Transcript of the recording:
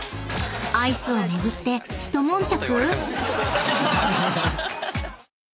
［アイスを巡ってひと悶着⁉］